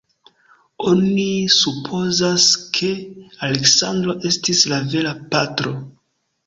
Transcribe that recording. Oni supozas, ke Aleksandro estis la vera patro.